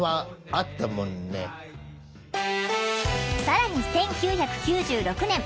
更に１９９６年